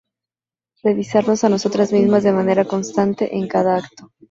revisarnos a nosotras mismas de manera constante en cada acto